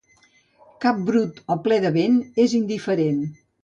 Cap brut o ple de vent és indiferent.